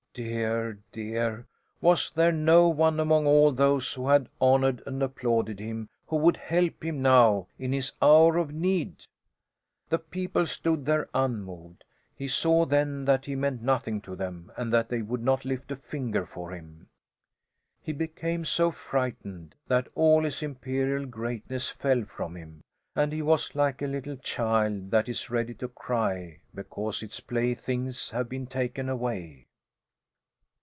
Dear, dear! Was there no one among all those who had honoured and applauded him who would help him now, in his hour of need? The people stood there, unmoved. He saw then that he meant nothing to them and that they would not lift a finger for him. He became so frightened that all his imperial greatness fell from him, and he was like a little child that is ready to cry because its playthings have been taken away.